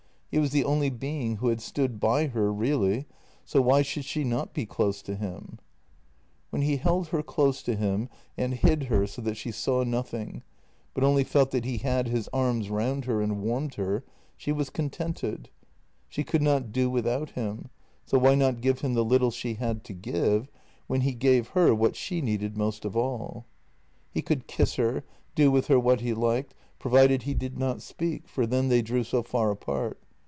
He was the only being who had stood by her really — so why should she not be close to him ? When he held her close to him and hid her so that she saw nothing, but only felt that he had his arms round her and warmed her, she was contented. She could not do without him, so why not give him the little she had to give, when he gave her what she needed most of all? He could kiss her, do with her what he liked, provided he JENNY 203 did not speak, for then they drew so far apart.